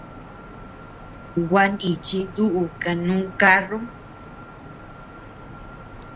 Gua nichi duʼu kanu karrum.